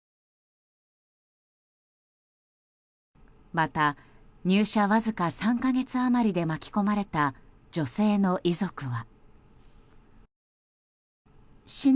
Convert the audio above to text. また、入社わずか３か月余りで巻き込まれた女性の遺族は。